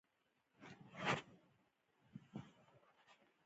د یوې لسیزې راهیسې